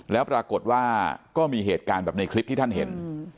แล้วปรากฏว่าก็มีเหตุการณ์แบบในคลิปที่ท่านเห็น